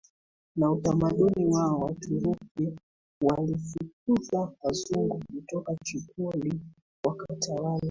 na utamaduni wao Waturuki walifukuza Wazungu kutoka Tripoli wakatawala